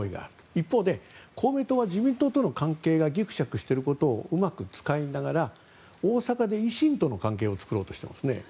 一方で、公明党は自民党との関係がぎくしゃくしていることをうまく使いながら大阪で維新との関係を作ろうとしていますね。